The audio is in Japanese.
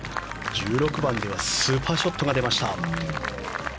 １６番ではスーパーショットが出ました。